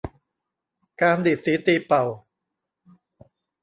การดีดสีตีเป่า